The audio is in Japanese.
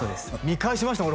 見返しました